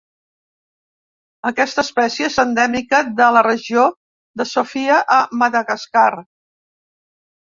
Aquesta espècie és endèmica de la regió de Sofia, a Madagascar.